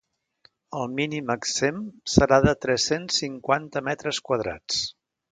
El mínim exempt serà de tres-cents cinquanta metres quadrats.